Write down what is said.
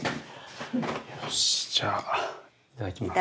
よしじゃあいただきます。